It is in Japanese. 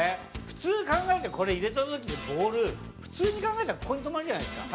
普通に考えてこれ入れた時ってボール普通に考えたらここに止まるじゃないですか。